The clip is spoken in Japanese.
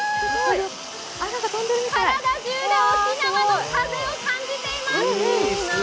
体じゅうで沖縄の風を感じています。